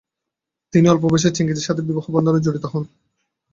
তিনি অল্প বয়সে চেঙ্গিজের সাথে বিবাহ বন্ধনে জড়িত হন।